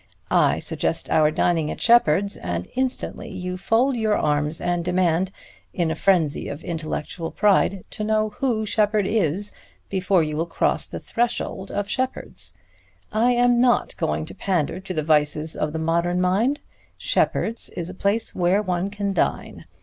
I suggest our dining at Sheppard's and instantly you fold your arms and demand, in a frenzy of intellectual pride, to know who Sheppard is before you will cross the threshold of Sheppard's. I am not going to pander to the vices of the modern mind. Sheppard's is a place where one can dine.